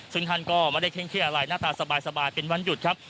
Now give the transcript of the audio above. ซึ่งท่านก็ไม่ได้เคร่อะไรหน้าตาสบายเป็นวันหยุดครับ